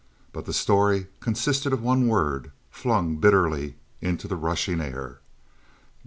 But the story consisted of one word, flung bitterly into the rushing air.